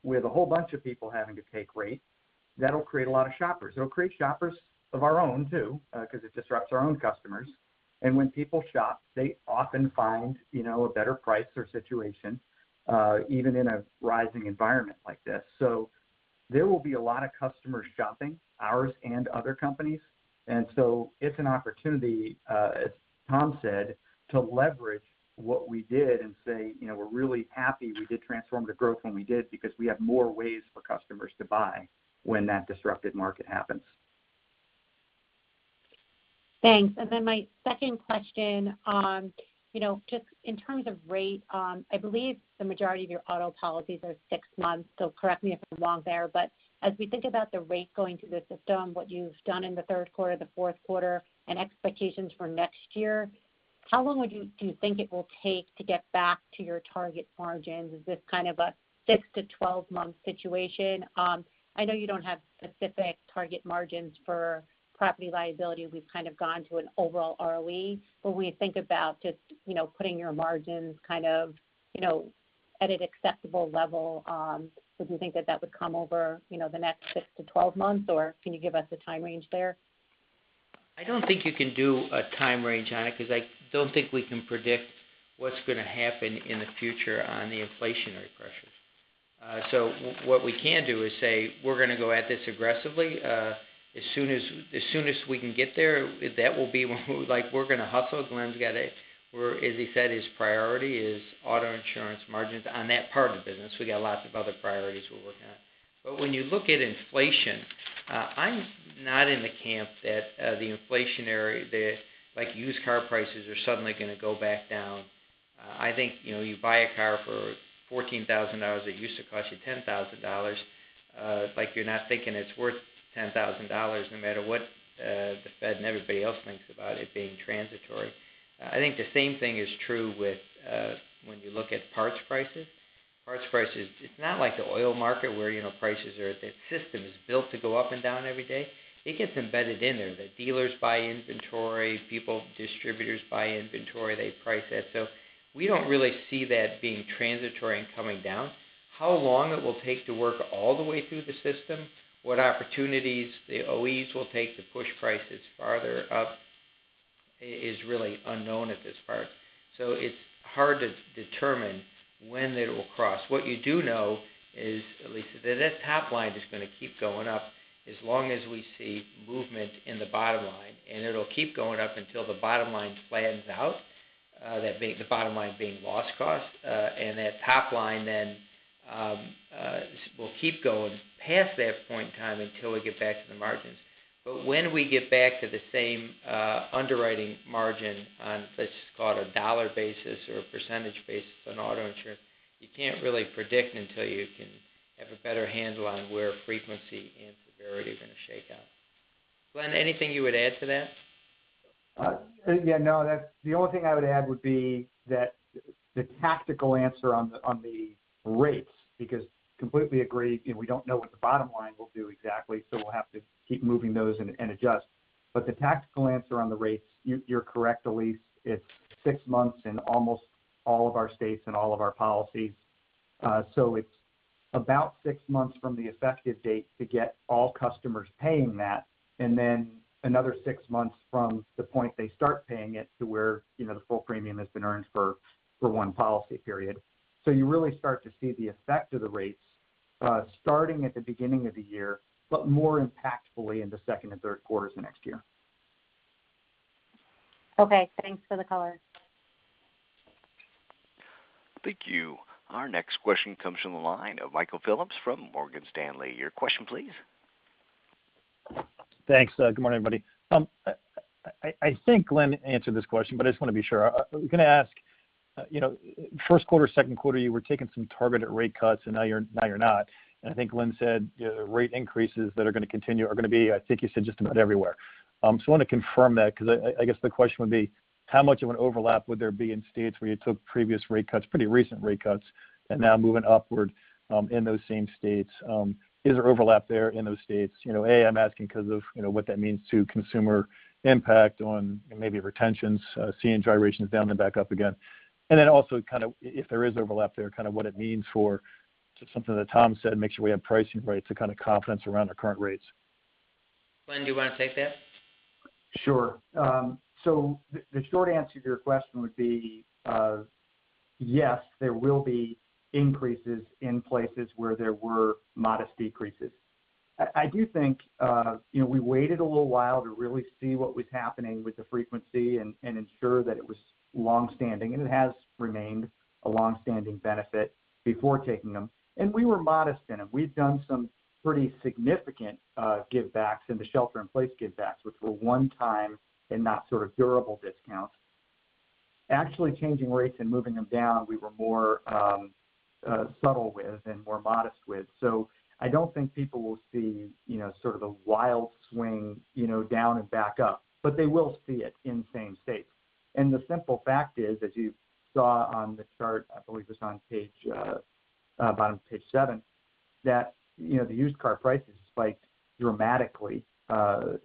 With a whole bunch of people having to take rate, that'll create a lot of shoppers. It'll create shoppers of our own, too, 'cause it disrupts our own customers. When people shop, they often find, you know, a better price or situation, even in a rising environment like this. There will be a lot of customers shopping, ours and other companies. It's an opportunity, as Tom said, to leverage what we did and say, you know, we're really happy we did Transformative Growth when we did because we have more ways for customers to buy when that disrupted market happens.
Thanks. Then my second question, you know, just in terms of rate, I believe the majority of your auto policies are six months, so correct me if I'm wrong there. As we think about the rate going through the system, what you've done in the third quarter, the fourth quarter, and expectations for next year, how long do you think it will take to get back to your target margins? Is this kind of a six to 12-month situation? I know you don't have specific target margins for property-liability. We've kind of gone to an overall ROE. When we think about just, you know, putting your margins kind of, you know, at an acceptable level, did you think that would come over, you know, the next six to 12 months, or can you give us a time range there?
I don't think you can do a time range on it 'cause I don't think we can predict what's gonna happen in the future on the inflationary pressures. So what we can do is say we're gonna go at this aggressively. As soon as we can get there, that will be when we like, we're gonna hustle. As he said, his priority is auto insurance margins on that part of the business. We got lots of other priorities we're working on. When you look at inflation, I'm not in the camp that the inflationary, like, used car prices are suddenly gonna go back down. I think, you know, you buy a car for $14,000, it used to cost you $10,000, like, you're not thinking it's worth $10,000 no matter what, the Fed and everybody else thinks about it being transitory. I think the same thing is true with when you look at parts prices. Parts prices, it's not like the oil market where, you know, the system is built to go up and down every day. It gets embedded in there. The dealers buy inventory, people, distributors buy inventory, they price it. So we don't really see that being transitory and coming down. How long it will take to work all the way through the system, what opportunities the OEMs will take to push prices farther up is really unknown at this point. It's hard to determine when it will cross. What you do know is, Elyse, that that top line is gonna keep going up as long as we see movement in the bottom line, and it'll keep going up until the bottom line flattens out, that being the bottom line being loss cost. That top line then we'll keep going past that point in time until we get back to the margins. When we get back to the same underwriting margin on, let's just call it a dollar basis or a percentage basis on auto insurance, you can't really predict until you can have a better handle on where frequency and severity are gonna shake out. Glenn, anything you would add to that?
Yeah, no. That's the only thing I would add would be that the tactical answer on the rates because completely agree, you know, we don't know what the bottom line will do exactly, so we'll have to keep moving those and adjust. The tactical answer on the rates, you're correct, Elyse. It's six months in almost all of our states and all of our policies. So it's about six months from the effective date to get all customers paying that, and then another six months from the point they start paying it to where, you know, the full premium has been earned for one policy period. You really start to see the effect of the rates starting at the beginning of the year, but more impactfully in the second and third quarters of next year.
Okay, thanks for the color.
Thank you. Our next question comes from the line of Michael Phillips from Morgan Stanley. Your question, please.
Thanks. Good morning, everybody. I think Glenn answered this question, but I just wanna be sure. I was gonna ask, you know, first quarter, second quarter, you were taking some targeted rate cuts, and now you're not. I think Glenn said the rate increases that are gonna continue are gonna be, I think you said, just about everywhere. So I wanna confirm that because I guess the question would be, how much of an overlap would there be in states where you took previous rate cuts, pretty recent rate cuts, and now moving upward in those same states? Is there overlap there in those states? You know, I'm asking 'cause of, you know, what that means to consumer impact on maybe retentions, seeing gyrations down then back up again. Also kind of if there is overlap there, kind of what it means for just something that Tom said, make sure we have pricing rights to kind of confidence around our current rates.
Glenn, do you wanna take that?
Sure. The short answer to your question would be yes, there will be increases in places where there were modest decreases. I do think you know, we waited a little while to really see what was happening with the frequency and ensure that it was longstanding, and it has remained a longstanding benefit before taking them. We were modest in them. We've done some pretty significant givebacks in the Shelter-in-Place Payback, which were one-time and not sort of durable discounts. Actually changing rates and moving them down, we were more subtle with and more modest with. I don't think people will see you know, sort of a wild swing you know, down and back up. They will see it in some states. The simple fact is, as you saw on the chart, I believe it was on page, bottom of page seven, that, you know, the used car prices spiked dramatically,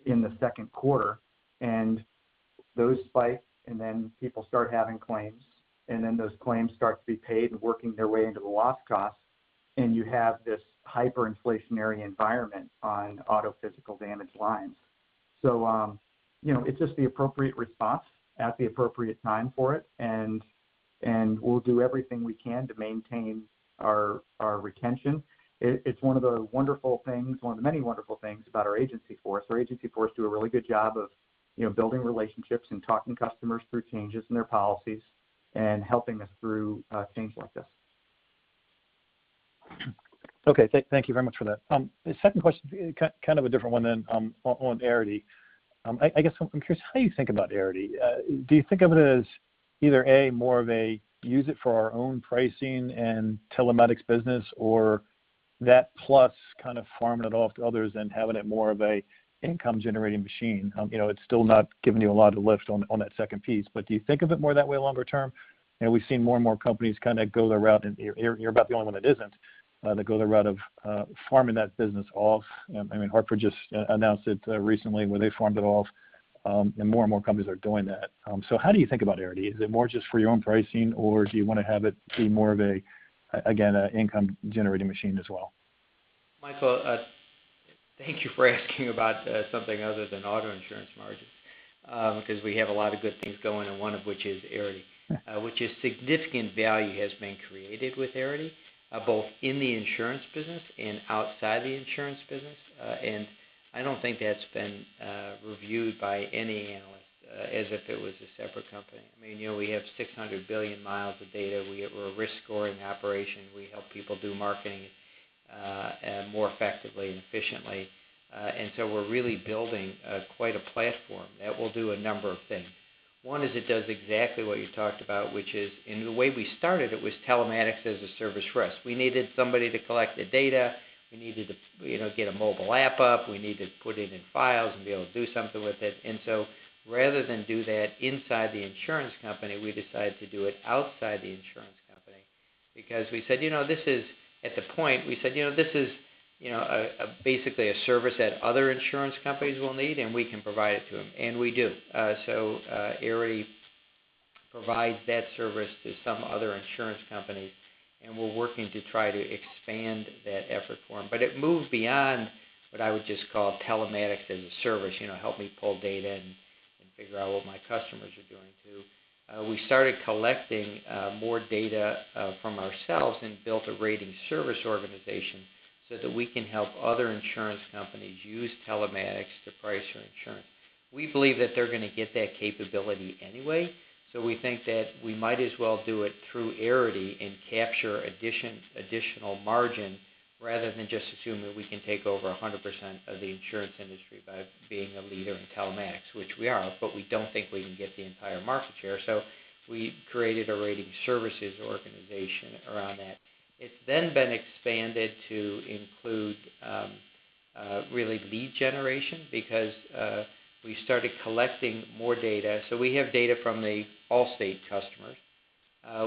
in the second quarter. Those spike, and then people start having claims, and then those claims start to be paid and working their way into the loss cost, and you have this hyperinflationary environment on auto physical damage lines. You know, it's just the appropriate response at the appropriate time for it, and we'll do everything we can to maintain our retention. It's one of the wonderful things, one of the many wonderful things about our agency force. Our agency force do a really good job of, you know, building relationships and talking customers through changes in their policies and helping us through, things like this.
Okay. Thank you very much for that. The second question, kind of a different one then, on Arity. I guess I'm curious how you think about Arity. Do you think of it as either, A, more of a use it for our own pricing and telematics business or that plus kind of farming it off to others and having it more of a income-generating machine? You know, it's still not giving you a lot of lift on that second piece, but do you think of it more that way longer term? You know, we've seen more and more companies kinda go the route, and you're about the only one that isn't that go the route of farming that business off. I mean, Hartford just announced it recently, where they farmed it out, and more and more companies are doing that. How do you think about Arity? Is it more just for your own pricing, or do you wanna have it be more of a again, an income-generating machine as well?
Michael, thank you for asking about something other than auto insurance margins, because we have a lot of good things going and one of which is Arity. Which is significant value has been created with Arity, both in the insurance business and outside the insurance business. I don't think that's been reviewed by any analyst as if it was a separate company. I mean, you know, we have 600 billion miles of data. We're a risk scoring operation. We help people do marketing more effectively and efficiently. So we're really building quite a platform that will do a number of things. One is it does exactly what you talked about, which is. The way we started it was telematics as a service for us. We needed somebody to collect the data. We needed to, you know, get a mobile app up. We need to put it in files and be able to do something with it. Rather than do that inside the insurance company, we decided to do it outside the insurance company because we said, "At that point, you know, this is, you know, basically a service that other insurance companies will need, and we can provide it to them." We do. Arity provides that service to some other insurance companies, and we're working to try to expand that effort for them. It moves beyond what I would just call telematics as a service, you know, help me pull data and figure out what my customers are doing too. We started collecting more data from ourselves and built a rating services organization so that we can help other insurance companies use telematics to price their insurance. We believe that they're gonna get that capability anyway, so we think that we might as well do it through Arity and capture additional margin rather than just assume that we can take over 100% of the insurance industry by being a leader in telematics, which we are, but we don't think we can get the entire market share. We created a rating services organization around that. It's then been expanded to include really lead generation because we started collecting more data. We have data from the Allstate customers.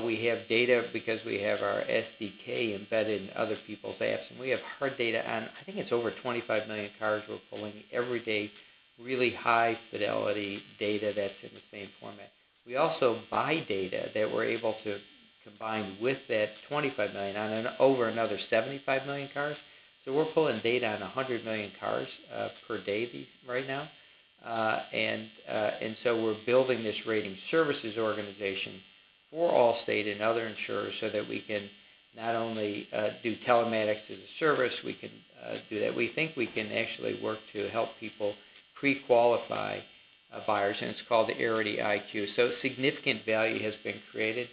We have data because we have our SDK embedded in other people's apps, and we have hard data on, I think it's over 25 million cars we're pulling every day, really high fidelity data that's in the same format. We also buy data that we're able to combine with that 25 million over another 75 million cars. We're pulling data on 100 million cars per day right now. We're building this rating services organization for Allstate and other insurers so that we can not only do telematics as a service, we can do that. We think we can actually work to help people pre-qualify buyers, and it's called the Arity IQ. Significant value has been created.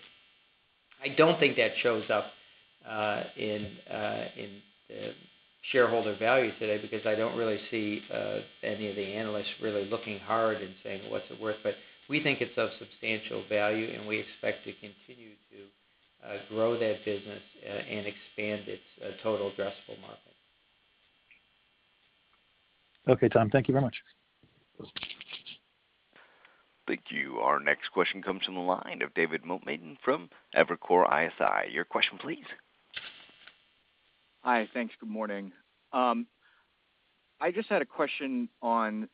I don't think that shows up in shareholder value today because I don't really see any of the analysts really looking hard and saying, "What's it worth?" We think it's of substantial value, and we expect to continue to grow that business and expand its total addressable market.
Okay, Tom. Thank you very much.
Thank you. Our next question comes from the line of David Motemaden from Evercore ISI. Your question please.
Hi. Thanks. Good morning. I just had a question on,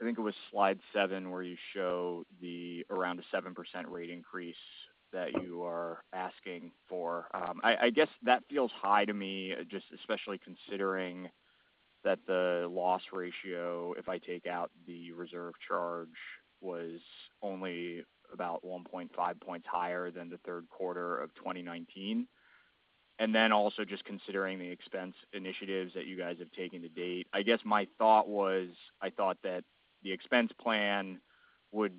I think it was slide seven, where you show the around a 7% rate increase that you are asking for. I guess that feels high to me, just especially considering that the loss ratio, if I take out the reserve charge, was only about 1.5 points higher than the third quarter of 2019. Also just considering the expense initiatives that you guys have taken to date. I guess my thought was, I thought that the expense plan would,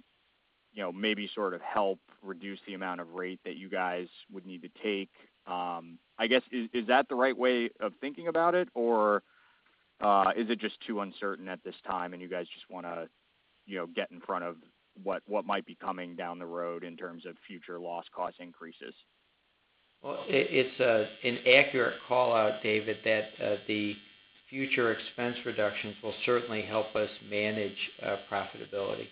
you know, maybe sort of help reduce the amount of rate that you guys would need to take. I guess, is that the right way of thinking about it, or is it just too uncertain at this time and you guys just wanna, you know, get in front of what might be coming down the road in terms of future loss cost increases?
Well, it's an accurate call-out, David, that the future expense reductions will certainly help us manage profitability.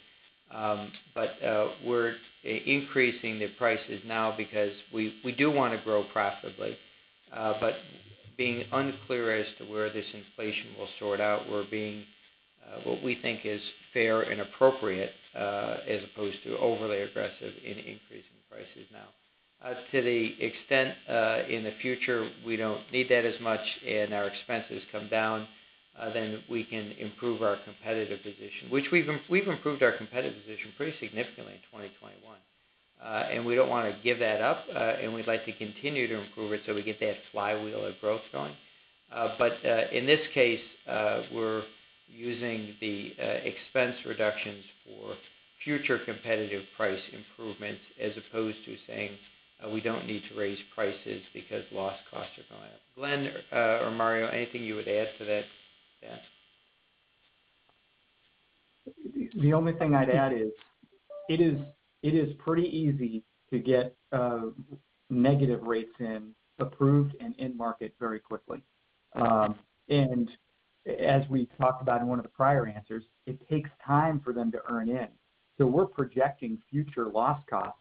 We're increasing the prices now because we do wanna grow profitably, being unclear as to where this inflation will sort out. We're being what we think is fair and appropriate as opposed to overly aggressive in increasing prices now. To the extent in the future we don't need that as much and our expenses come down, then we can improve our competitive position, which we've improved our competitive position pretty significantly in 2021. We don't wanna give that up, and we'd like to continue to improve it so we get that flywheel of growth going. in this case, we're using the expense reductions for future competitive price improvements as opposed to saying we don't need to raise prices because loss costs are going up. Glen, or Mario, anything you would add to that? Yeah.
The only thing I'd add is it is pretty easy to get negative rates in approved and in market very quickly. As we talked about in one of the prior answers, it takes time for them to earn in. We're projecting future loss costs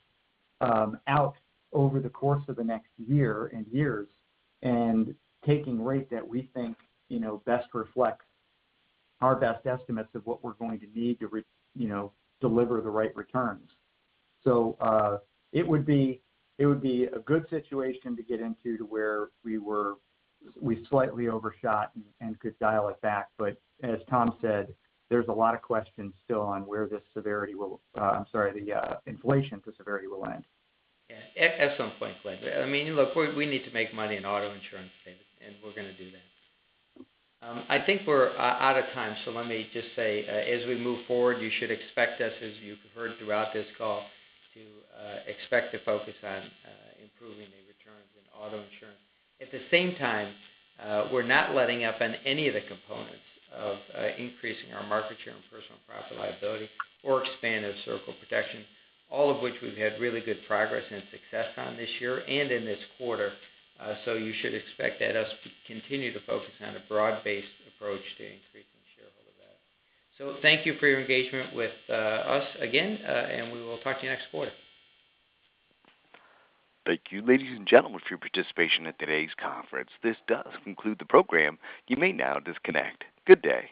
out over the course of the next year and years and taking rate that we think you know best reflects our best estimates of what we're going to need to you know deliver the right returns. It would be a good situation to get into to where we slightly overshot and could dial it back. As Tom said, there's a lot of questions still on where the inflation to severity will end.
Yeah. At some point, Glenn. I mean, look, we need to make money in auto insurance, David, and we're gonna do that. I think we're out of time, so let me just say, as we move forward, you should expect us, as you've heard throughout this call, to expect to focus on improving the returns in auto insurance. At the same time, we're not letting up on any of the components of increasing our market share and personal property-liability or expanding Circle of Protection, all of which we've had really good progress and success on this year and in this quarter. You should expect us to continue to focus on a broad-based approach to increasing shareholder value. Thank you for your engagement with us again, and we will talk to you next quarter.
Thank you, ladies and gentlemen, for your participation in today's conference. This does conclude the program. You may now disconnect. Good day.